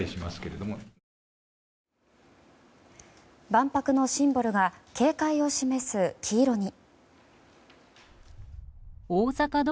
万博のシンボルが警戒を示す黄色に。